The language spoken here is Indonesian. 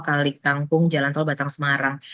kalik kampung jalan tol batang semarang